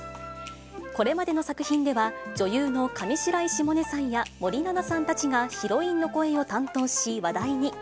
これまでの作品では、女優の上白石萌音さんや、森七菜さんたちがヒロインの声を担当し話題に。